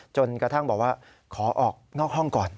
จนกระทั่งบอกว่าขอออกนอกห้องก่อน